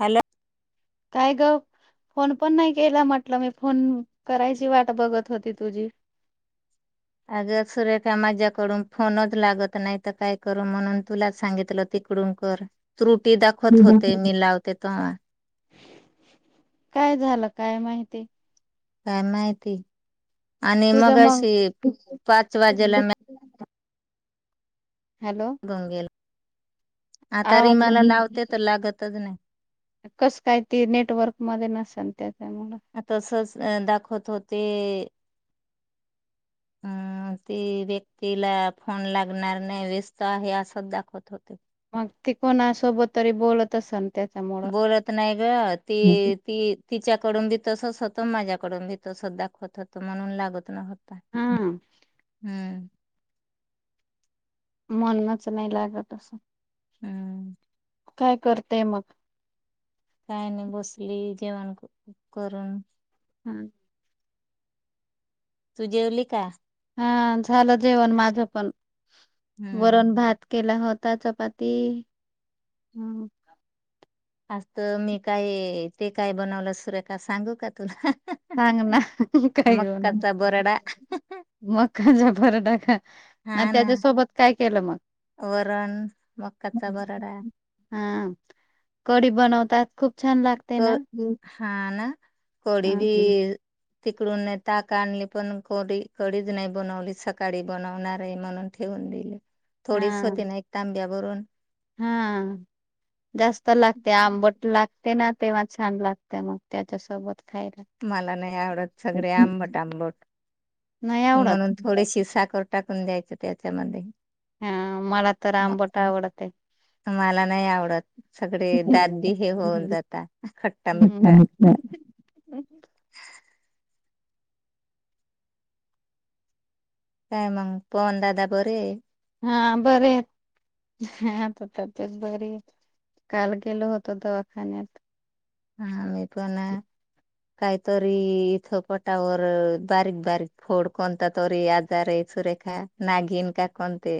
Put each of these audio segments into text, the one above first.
Hello.. काय ग? Phone पण नाही केला, म्हटलं मी फोन करायची वाट बघत होती तुझी. [inaudible] अग सुरेखा माझ्याकडून फोनच लागत नाही, तर काय करू म्हणून तुला सांगितलं ति तिकडून कर, त्रुटी दाखवत होते मी लावते तेव्हा. काय झालं, काय माहिती काय माहिती, आणि तुझ मग मगाशी पाच वाजेला हॅलो गंगेल आता आवाज रीमाला लावते तर, लागतच नाही. कस, काय, त नेटवर्क मध्ये नसेल. त्याच्यामुळ आता असच दाखवत होते. [inaudible] अं ती व्यक्तीला फोन लागणार नाही व्यस्त आहे. असंच दाखवत होते. कोणा सोबत तरी बोलत असल. बोलत नाही ग, ती ती तिच्याकडून बी तसच होत. त मज्याकडून मी तस दाखवत होत. म्हणून लागत नव्हता. हा हम्म म्हणूनच नाही लागत. असेल हम्म. काय करतेय मग? काय नाही बसली जेवण करून. हम्म. तू जेवली का? हा झालं जेवण माझ पण, वरण हम्म. भात केला होत. आता चपाती ह. आजत मी काय ते काय बनवलं, सुरेखा सांगू का तुला? सांग ना काय घेऊन. मक्काचा बरडा मकाच्या पराठा, हा ना त्याच्यासोबत काय केलं मग. मकाचा बराडा. कडी बनवतात. खूप छान लागते ना. कडी बी. तिकडून न ताक आणली पण कोडी कडीच नाही बनवली. सकाळी बनवणार आहे म्हणून ठेवून दिली. [inaudible] थोडीच होती हा ना एक तांब्याभरून हा जास्त लागते आंबट लाग तेना तेव्हा छान लागतं मग त्याच्यासोबत. खायला. मला नाही आवडत सगळे आंबट आंबट नाही आवडत म्हणून थोडीशी साखर टाकून द्यायचं त्याच्यामध्ये. हा मला तर मग आंबट आवडते. मला नाही आवडतं सगळे दात बी हे होऊन जाता खट्टा-मिठ्ठा. [inaudible] काय मगं पवन दादा बरेय? हां बरं येत. हा आता तब्येत बरीय, काल गेलो होतो दवाखान्यात. आम्ही पण. काही तरी इथं पोटावर अ बारीक बारीक फोड कोणता तरी आजारय. सुरेखा नागीन का कोण ते?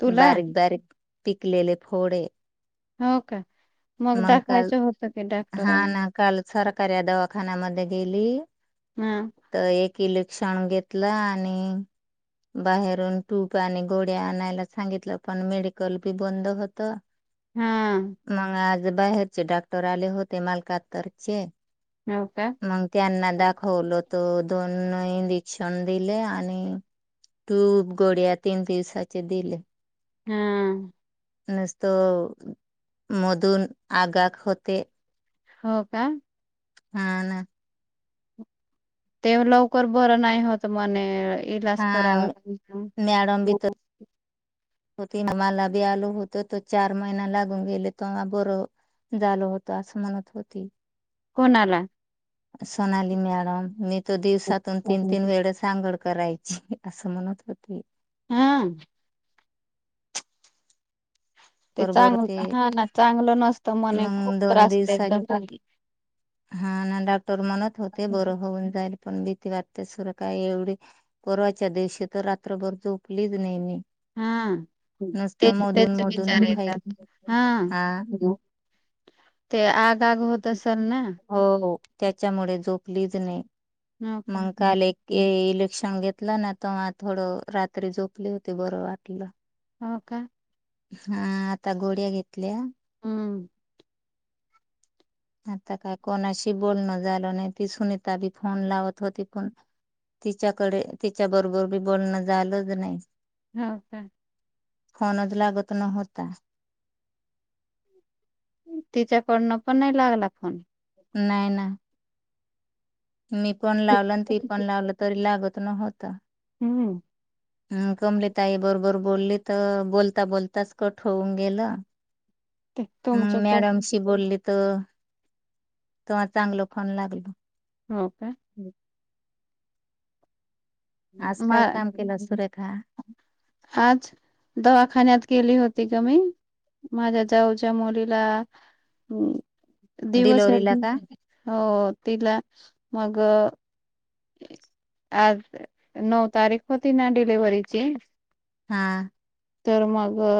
तुला बारीक बारीक पिकलेले फोडय. हो का मगं काल दाखवायचं होत ते हा ना काल सरकाऱ्या दवाखान्यामध्ये गेली हम्म. तर एक इलेक्शन घेतलं आणि बाहेरून ट्यूप आणि गोळ्या आणायला सांगितलं पण मेडिकल बी बंद होत. हा. मंग आज बाहेरचे डाक्टर आले होते मालकाततरचे. हो का? मंग त्यांना दाखवलं. तो दोन इंदेक्शन दिले आणि टूप गोळ्या तीन दिसाचे दिले. हम्म. नुस्तो मधून आग आग होते. हो का? हां ना. ते व लवकर बरं नाही होत म्हणे ए इलाज हा करावा [unintelligible] हो ते न मला बी आलो होत, त चार महिना लागून गेले तवा बरं झाल होत असं म्हणत होती. कोणाला? सोनाली मॅडम मी तो दिवसातून तीन तीन वेळेस आंघोळ करायची असं म्हणत होती. हां. ते बरोबर चांगलं ते हां ना चांगलं नसतं म्हणे खूप मगं दोन त्रास होतो एकदम. दिवसांनी हा ना डॉक्टर म्हणत होते बरं होऊन जा तरी पण भीती वाटते सुर का एवढी परवाच्या दिवशी तर रात्रभर झोपलीच नई मीं. हां. तेच त्यांचे मधून विचार येतात दुखायचं हां. हा ते आग आग होत असल ना? हो त्याच्यामुळे झोपलीच नाही हो का? मगं काल एक ये इलेक्शन घेतला ना त मा तेव्हा थोडं रात्री झोपली होती बरं वाटलं. हो का? हा आता गोळ्या घेतल्या. हम्म. आता काय कोणाशी बोलणं झाल नाही. ती सुनीता बी फोन लावत होती पण तिच्याकडे तिच्या बरोबर बी बोलणं झालंच नाही. हो का. फोनच लागत नव्हता. तिच्याकडनं पण नाही लागला फोन नाही नाही. मी पण लावलं आणि ती पण लावलं तरी लागत नव्हता. हं. अम कमलीताई बरोबर बोलली तर बोलता बोलताच कट होऊन गेला. ते मग तुमच्याक मॅडमशी बोललीत. त त्हा चांगल फोन लागलो. हो का? आज काय मा काम केलं सुरेखा. आज दवाखान्यात गेली होती. म माझ्या जाऊच्या मुलीला ऊ दिवस डिलव्हरीला आहे का हो तिला मग अ आज नऊ तारीख होती ना डिलिव्हरीची हा. तर मगअ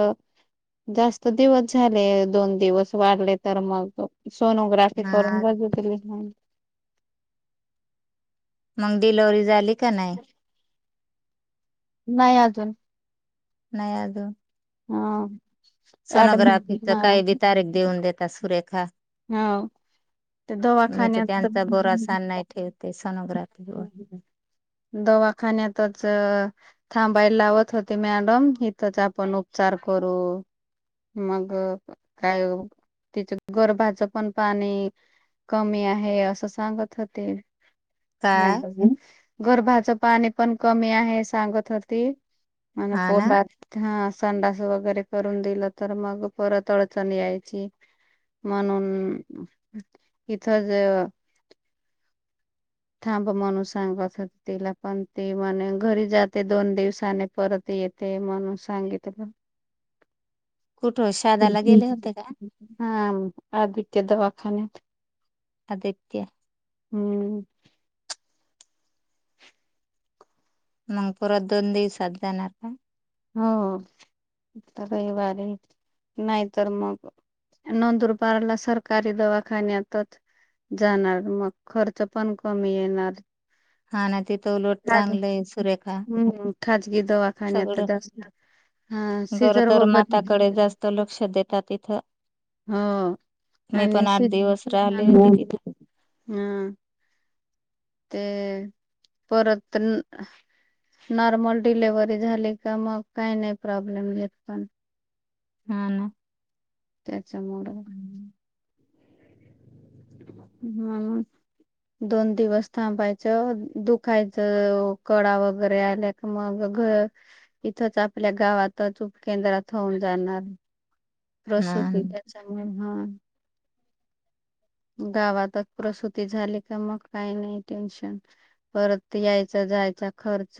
जास्त दिवस झाले दोन दिवस वाढले तर मग सोनोग्राफी करून हा बघितली. मग डिलिव्हरी झाली का नाही. नाही अजून नाही अजुन हा. सोनोग्राफीचा काही बी तारीख देऊन देतात सुरेखा हा ते मी तर दवाखान्यात. त्यांचा भरोसा नाही ठेवते सोनोग्राफीवर दवाखान्यातच अ थांबायला लावत होते मॅडम इथंच आपण उपचार करू. मग काय तिच गरभा पण पाणी कमी आहे असं सांगत होते. काय गर्भाच पाणी पण कमी आहे सांगत होती. म हा पो ना हा संडास वगैरे करून दिलं तर मग परत अडचण यायची म्हणून हम् इथंच. थांब म्हणू सांगत हो तिला पण ती म्हने घरी जाते दोन दिवसाने परत येते म्हणू सांगित का? कुठं शदाला गेले होते का? हा आद्य दवाखानत आगित्य. हम्म. मग पुूर दोन दि साात जाणार का? हो तर काही वारी नाहीत मग नंदुरबारला सरकारी दवाखान्या यतात. जाणार मग खर्च पण कमी येणार. हा ना तिथं उलट चांगलं आहे सुरेखा हम्म खाजगी दवाखान्या सगळं जा हा सीझर गरोदर बत. माताकडे जास्त लक्ष देतात तिथं हो मी आणि पण आठ दिवस राहिले होते हम तिथं ते पररत. नॉर्मल डिलेव्हरी झाली का मग काही नाही प्रॉब्लेम घेत पण ह ना. त्याच्यामुळेड हा... दोन दिवस थांबायचं दुखायचं कळा वगैरे आल्या का मग... इथच आपल्या गावातच उपकेंद्रात होऊन जाणार.. रस हा ना, होते त्याच्यामुळे हा.. गावातच प्रसुती झाली का मग काही नाही टेन्शन परत यायचं जायचा खर्च..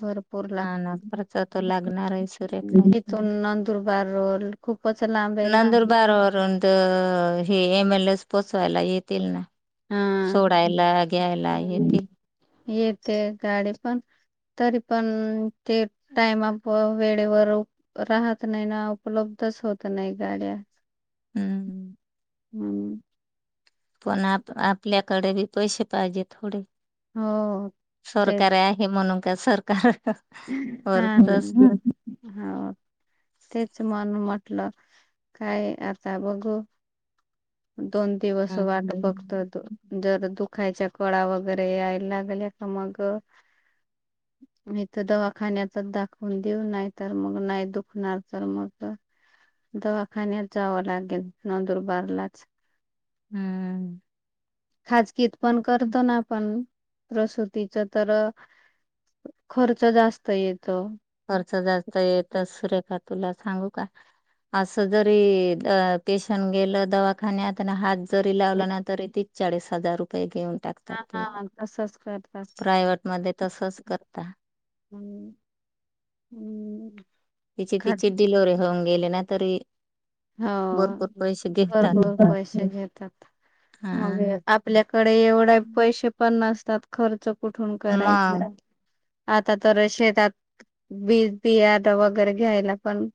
भरपूर हा ना लागत खर्च तर लागणार आहे सुरेखा तिथून नंदुरबार रोल खूप. नंदुरबार वरून तर हे एम एलएस पोचवायला येतील ना. हा सोडायला घ्यायला येतील. येते गाडी पण. तरी पण ते टयमा वेळेवर राहत नाही ना उपलब्ध. होत नाही गाड्या. हम्म. हम्म. पण आप आपल्याकडे बी पैसे पाहिजे थोडे. हो ते सरकार आहे म्हणून का सरकार.. हा वरचच होा तेच मन.. म्हटलं काय आता बघू. दोन दिवस हम्म वाट बघतोय तो जर दुखायच्या कळा वगैरे यायला लागल्या तर मग. हित दवाखान्याचाच दाखवून देऊ नाही तर मग नाही दुखणार तर मग दवाखान्यात जावं लागेल नंदुरबारलाच.. हम्म. खाजकीीत पण करतो ना. पण प्रसुतीच तर खर्च जास्त येत. खर्च जास्त येतच सुरेखा तुला सांगू का. असं जरी पेशंट गेलं दवाखान्याताना हात. जरी लावलं ना तरी तीच चाळीस हजार रुपये. घेऊन हा टाकतात ते हा तसच करतात प्रायवट मध्ये तसच करता.... हम् हम्म [unintelligible] तिची खा- तिची डिलोरे होऊन गेले ना तरी हो भरपूर पैसे घेतात भरपर ते पैसे घेतात.. मग हा आपल्याकडे एवढे पैसे पण नसतात खर्च कुठून मग करायचा.. आता तर शेतात बीज बियाड वगैरे घ्यायला पण..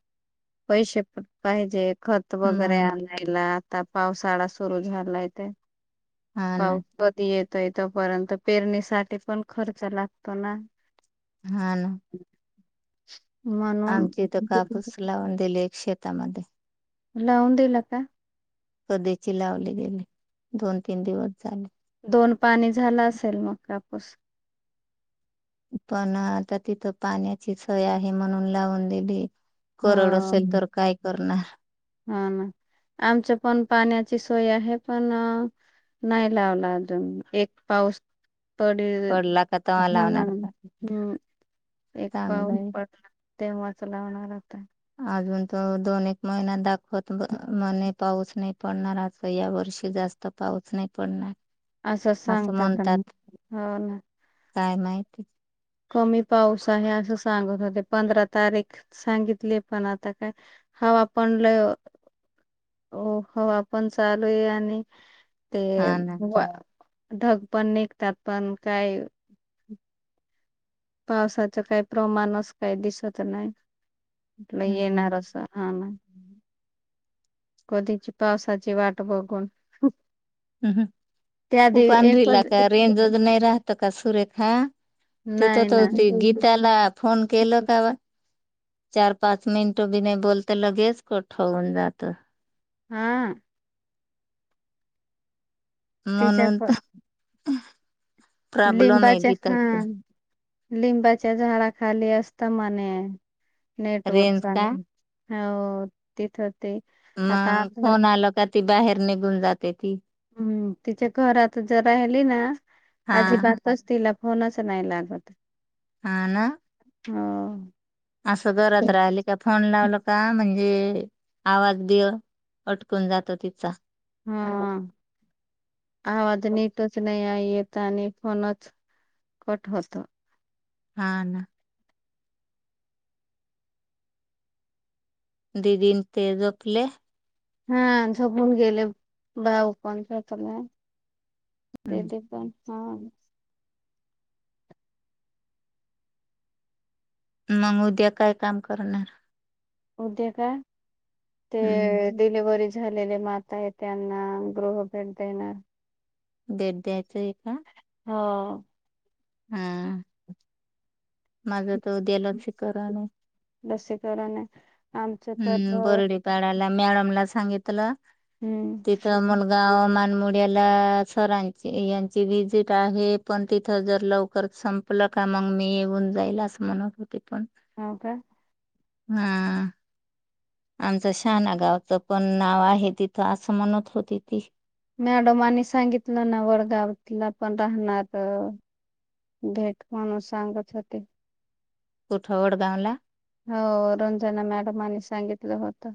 पैसे खूप आहेत. जे खत वगैरे मग आणायला आता पावसाळा सुरू झालाय ते... हा ना पाव पद येत.... इथपर्यंत पेरणीसाठी पण खर्च लागतो ना.... हा ना... [unintelligible] आमच्या इथ कापूस लावून दिलेय. एका शेतामध्ये.. लावुन दिला का? कधीची लावून दिली गेली दोन, तीन दिवस झाले... दोन पाणी झालं. असेल मग कापूस... पण आता तिथं पाण्याची सोय आहे, म्हणून लावून दिली... कोरड असेल हो तर काय करणार? हा ना आमच्यात पण पाण्याची सोय आहे पण, नाही लावला अजून एक पाऊस... पडी.. पडला का तवा हा लावणार का हं... एक पाव चांगलंय पडला.. तेव्हाच लावणार होता.... अजून तो दोन एक महिना दाखवत म्हणे पाऊस नाही पडणार आता या वर्षी जास्त पाऊस नाही पडणार. असं सांगतात. त्यांना हो ना काय माहिती? कमी पाऊस आहे. असं सांगत होते, पंधरा तारीख सांगितले पण आता काय? हवा आ पण लय, हो हो हवा चालू आहे आणि ते हा ना ढग पण निघतात पण काय पावसाच काही प्रमाणच काही दिसत नाही. म्हटलंय हम्म येणारच हा नाही. कधीची पावसाची वाट बघून, हंहं त्या खूप दिव अंढरीला एकच का रेंज नाही राहत का? सुरेखा तिथं नाही ना त गीताला फोन केल का? चार, पाच मिनटं पण नाही बोलते लगेच कट होऊन जातं. हा तिच्या म्हणून त लिंबाचे हा. गीताच लिंबाच्या झाडा खाली असत म्हणे नेटवर्क रेंज का चांगल हो. तिथंच मग फोन आला का ती बाहेर निघून जाते ती. हं तिच्या घरात जरा राहिली ना हा अजिबातच तिला फोनच नाही लागत. हा ना हं असं घरात राहिली का? फोन लावल का म्हणजे हे आवाज ते अडकून जातो. तिचा हा आवाज नीटच नाही आहे येत. आणि फोनच कट होतो. हा ना. दिदीन ते झोपले. हा झोपून गेले. भाऊ पण झोपला. ते ते पण हा मग उद्या काय काम करणार? उद्या का ते हम्म डिलिव्हरी झालेले माल त्यांना गृह भेट देणार. भेट द्यायचं आहे का? हा. हा माझ त उद्या लसिकरन हे. लसीकरण हे. हम्म बोरडीपाड्याला मॅडमला सांगितलं हम्म तिथं मुलगा मुडियाला सरांची यांची विजिट आहे पण तीथ जर लवकर संपल का मग मी येऊन जाईल असं म्हणत होते पण हाव का. हा. आमचं शहाणा गावच पण नाव आहे तिथं असं म्हणत होती ती. मॅडमानी सांगितलं ना वडगावला पण राहणार ते. भेट म्हणून सांगत होते. कुठ वडगाव ला. हो रंजना मॅडमाने सांगितलं होत.